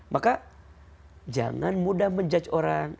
maka jangan mudah menjudge orang